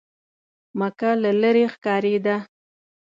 مکه له لرې ښکارېده.